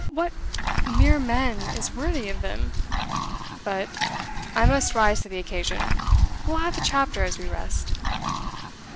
What mere man is worthy of them? But I must rise to the occasion. We'll have a chapter as we rest.